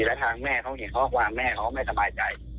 แล้วทางแม่เขาเห็นข้อความแม่เขาไม่สบายใจ